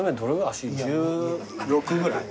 足１６ぐらい？